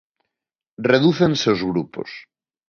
Redúcense os grupos.